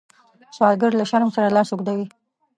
سوالګر له شرم سره لاس اوږدوي